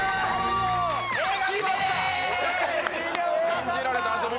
「禁じられた遊び」